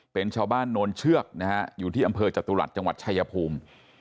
เป็นชาวบ้านโนนเชือกนะฮะอยู่ที่อำเภอจตุรัสจังหวัดชายภูมิ